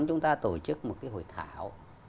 chúng ta tổ chức một cái hội thảo